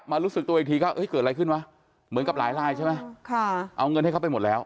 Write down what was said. รู้สึกตัวอีกทีก็เกิดอะไรขึ้นวะเหมือนกับหลายลายใช่ไหมเอาเงินให้เขาไปหมดแล้ว